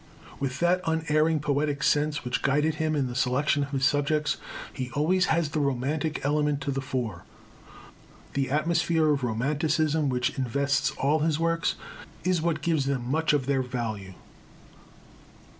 With that unerring poetic sense which guided him in the selection of his subjects, he always has the romantic element to the fore. The atmosphere of romanticism which invests all his works, is what gives them much of their value.